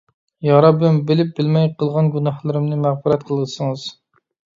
يا رەببىم، بىلىپ-بىلمەي قىلغان گۇناھلىرىمنى مەغپىرەت قىلسىڭىز.